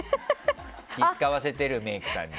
気を使わせてる、メイクさんに。